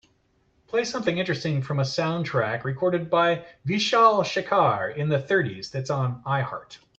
Play something interesting from a soundtrack recorded by Vishal-shekhar in the thirties that's on Iheart